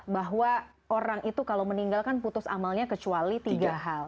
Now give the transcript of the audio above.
bahwa orang itu kalau meninggal kan putus amalnya kecuali tiga hal